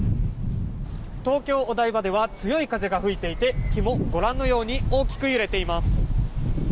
東京・お台場では強い風が吹いていて木もご覧のように大きく揺れています。